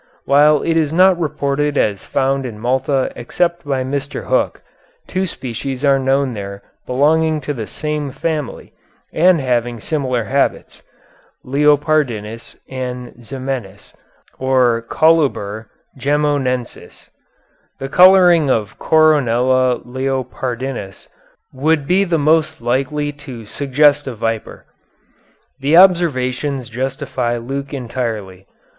While it is not reported as found in Malta except by Mr. Hook, two species are known there belonging to the same family and having similar habits (leopardinus and zamenis (or coluber) gemonensis). The coloring of Coronella leopardinus would be the most likely to suggest a viper. The observations justify Luke entirely.